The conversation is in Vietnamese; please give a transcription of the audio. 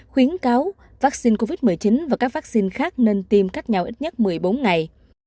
khuyến cáo vaccine covid một mươi chín và các vaccine khác nên tiêm cách nhau ít nhất một mươi bốn ngày